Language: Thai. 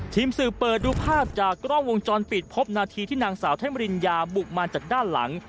ทีมสื่อเปิดดูภาพจากกล้องวงจรปิดพบนาทีที่นางสาวไทมริญญาบุกมาจากด้านหลัง